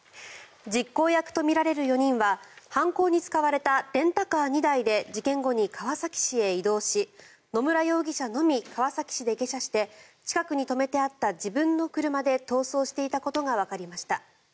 実行役とみられる４人は犯行に使われたレンタカー２台で事件後に川崎市へ移動し野村容疑者のみ川崎市で下車して近くに止めてあった自分の車で逃走していたことがわかりました。